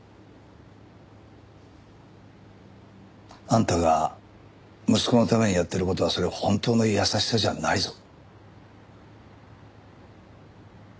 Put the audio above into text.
あんたが息子のためにやってる事はそれ本当の優しさじゃないぞ。